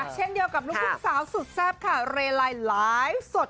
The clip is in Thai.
เช่นเดียวกับลูกทุ่งสาวสุดแซ่บค่ะเรไลน์ไลฟ์สด